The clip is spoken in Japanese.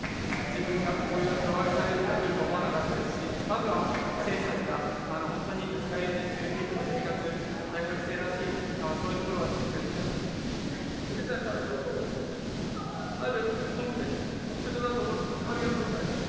自分がこうやって胴上げされる日が来るとは思わなかったですし、まずは選手たちが本当につらい練習、日々の生活、大学生らしい、そういうところをしっかりやってくれたからこそある本戦出場だと思ってます。